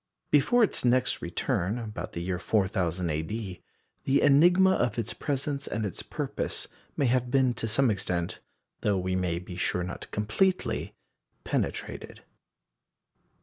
Before its next return, about the year 4000 A.D., the enigma of its presence and its purpose may have been to some extent though we may be sure not completely penetrated.